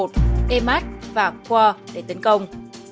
demas và khor để tấn công